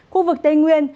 khu vực tây nguyên